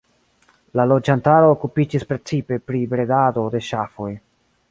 La loĝantaro okupiĝis precipe pri bredado de ŝafoj.